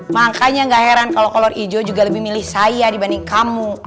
makanya gak heran kalau kolor hijau juga lebih milih saya dibanding kamu